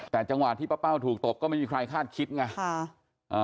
แต่จังหวะที่ป้าเป้าถูกตบก็ไม่มีใครคาดคิดไง